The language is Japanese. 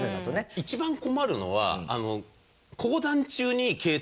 一番困るのは。